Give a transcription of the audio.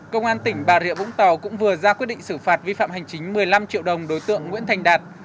công an tỉnh bà rịa vũng tàu cũng vừa ra quyết định xử phạt vi phạm hành chính một mươi năm triệu đồng đối tượng nguyễn thành đạt